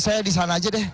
saya disana aja deh